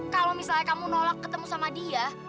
kalau misalnya kamu nolak ketemu sama dia